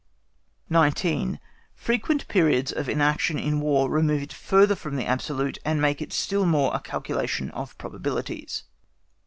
19. FREQUENT PERIODS OF INACTION IN WAR REMOVE IT FURTHER FROM THE ABSOLUTE, AND MAKE IT STILL MORE A CALCULATION OF PROBABILITIES.